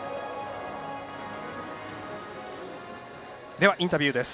ではインタビューです。